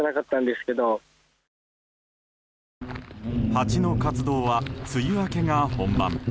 ハチの活動は梅雨明けが本番。